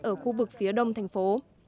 ở khu vực phía đông thành phố